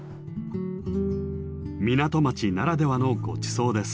港町ならではのごちそうです。